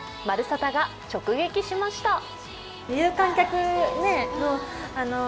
「まるサタ」が直撃しました。